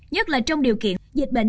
nhất là trong điều kiện